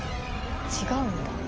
違うんだ。